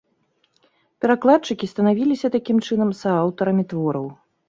Перакладчыкі станавіліся такім чынам сааўтарамі твораў.